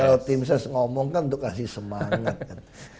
kalau tim ses ngomong kan untuk kasih semangat kan